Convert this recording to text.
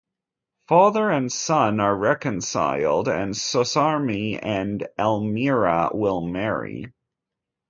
Father and son are reconciled and Sosarme and Elmira will marry.